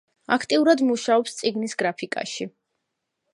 აქტიურად მუშაობს წიგნის გრაფიკაში.